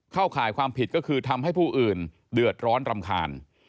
ข่ายความผิดก็คือทำให้ผู้อื่นเดือดร้อนรำคาญ